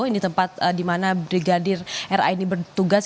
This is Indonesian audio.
ini tempat dimana brigadir ra ini bertugas